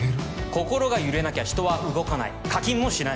心が揺れなきゃ人は動かない課金もしない